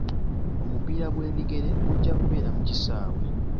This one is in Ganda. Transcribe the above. Omupiira gw'ebigere gujja kubeera mu kisaawe.